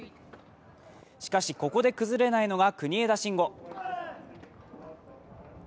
しかし、ここで崩れないのが国枝慎吾。